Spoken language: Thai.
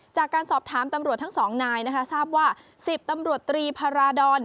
จากการสอบถามตำรวจทั้งสองนายนะคะทราบว่า๑๐ตำรวจตรีพาราดร